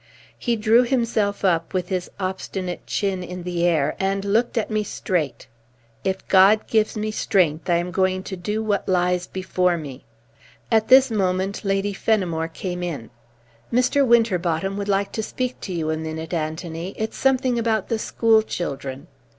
He drew himself up, with his obstinate chin in the air, and looked at me straight. "If God gives me strength, I am going to do what lies before me." At this moment Lady Fenimore came in. "Mr. Winterbotham would like to speak to you a minute, Anthony. It's something about the school children."